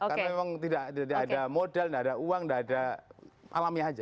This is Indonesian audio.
karena memang tidak ada modal nggak ada uang nggak ada alamiah aja